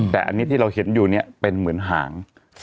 แต่อันนี้ที่เราเห็นอยู่เนี่ยเป็นเหมือนหาง